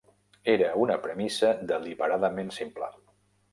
Era una premissa deliberadament simple.